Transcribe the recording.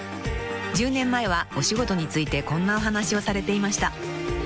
［１０年前はお仕事についてこんなお話をされていました］